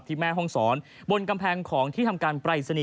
แม่ห้องศรบนกำแพงของที่ทำการปรายศนีย